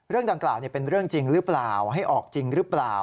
เรื่องดังกล่าวเป็นเรื่องจริงหรือเปล่าให้ออกจริงหรือเปล่า